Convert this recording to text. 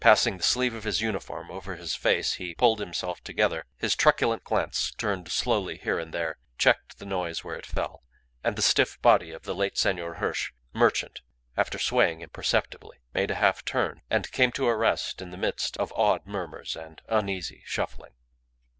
Passing the sleeve of his uniform over his face he pulled himself together, His truculent glance turned slowly here and there, checked the noise where it fell; and the stiff body of the late Senor Hirsch, merchant, after swaying imperceptibly, made a half turn, and came to a rest in the midst of awed murmurs and uneasy shuffling.